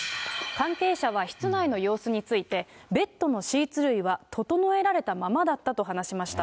関係者は室内の様子について、ベッドのシーツ類は整えられたままだったと話しました。